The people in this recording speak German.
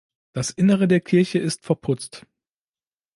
Das Innere der Kirche ist verputzt.